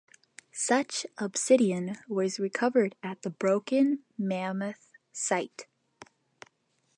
Such obsidian was recovered at the Broken Mammoth site.